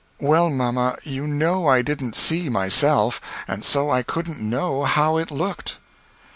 "Well, mamma, you know I didn't see myself, and so I couldn't know how it looked."